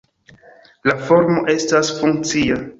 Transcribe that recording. La formo estas funkcia.